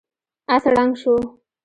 آس ړنګ شو.